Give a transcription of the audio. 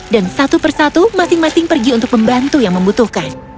dan satu persatu masing masing pergi untuk membantu yang membutuhkan